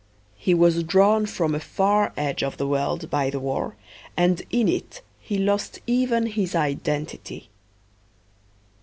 He was drawn from a far edge of the world by the war and in it he lost even his identity.